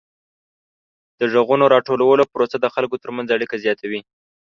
د غږونو راټولولو پروسه د خلکو ترمنځ اړیکه زیاتوي.